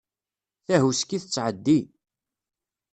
Tahuski tettɛeddi.